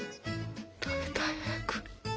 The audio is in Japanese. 食べたい早く。